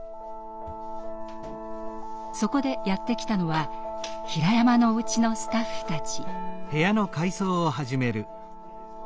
そこでやって来たのはひらやまのお家のスタッフたち。